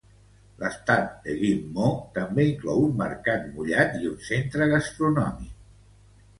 L'estat de Ghim Moh també inclou un mercat mullat i un centra gastronòmic.